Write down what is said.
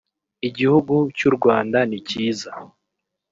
igihugu cy u rwanda nikiza